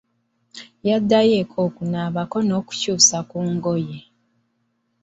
Yaddayo eka okunaabako n'okukyusa ku ngoye.